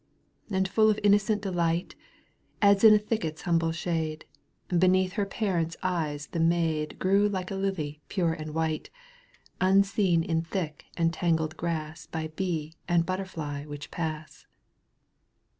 ^"^ And full of innocent delight, ' As in a thicket's humble shade. Beneath her parents' eyes the maid Grew like a Шу pure and white. Unseen in thick and tangled grass By bee and butterfly which pass.